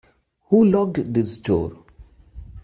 Who locked this door?